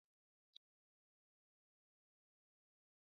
کليوالو په وېره سپرو ته کتل او غوږونه یې ونیول.